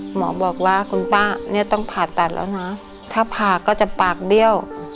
หมอบอกว่าคุณป้าเนี่ยต้องผ่าตัดแล้วนะถ้าผ่าก็จะปากเบี้ยว